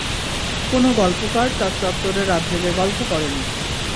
কোন গল্পকার তার চত্বরে রাত জেগে গল্প করেনি।